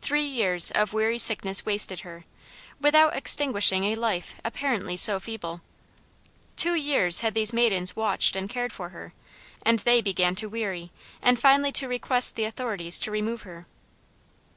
Three years of weary sickness wasted her, without extinguishing a life apparently so feeble. Two years had these maidens watched and cared for her, and they began to weary, and finally to request the authorities to remove her.